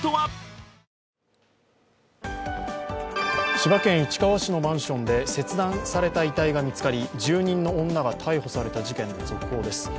千葉県市川市のマンションで切断された遺体が見つかり、住人の女が逮捕された事件の続報です。